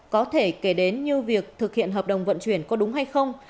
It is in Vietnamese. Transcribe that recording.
có thể kể đến như việc thực hiện hợp đồng vận chuyển có đúng hay không